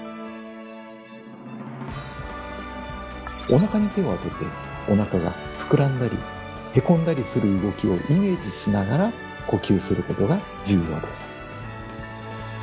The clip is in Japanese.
お腹に手を当ててお腹が膨らんだりへこんだりする動きをイメージしながら呼吸することが重要です。